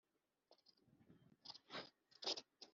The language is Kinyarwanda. wemejwe nu buyobozi bwu murenge